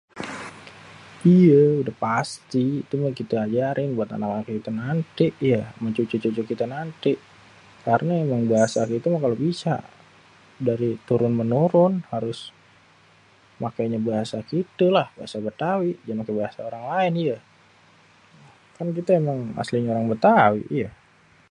iye udah pasti ituh kite ajarin buat anak kite nanti iye cucu-cucu kite nanti karne yang dasar itu harus bisa jadi turun menurun harus makenye bahasa kitelah harus tau masa kaga tau lah kan kite meh emang aslinye orang betawi